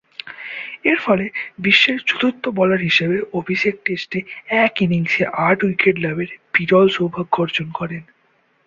এরফলে বিশ্বের চতুর্থ বোলার হিসেবে অভিষেক টেস্টের এক ইনিংসে আট উইকেট লাভের বিরল সৌভাগ্য অর্জন করেন।